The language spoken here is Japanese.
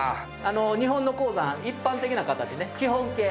日本の鉱山一般的な形ね基本形。